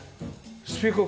スピーカー